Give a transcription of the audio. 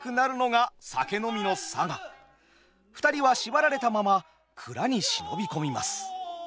２人は縛られたまま蔵に忍び込みます。